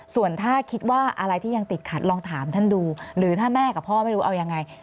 ส่วนถ้าคิดว่าอะไรที่ยังติดขัดลองถามท่านดูหรือถ้าแม่กับพ่อไม่รู้เอายังไง